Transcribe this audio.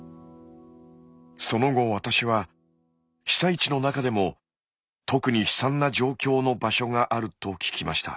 その後私は被災地の中でも特に悲惨な状況の場所があると聞きました。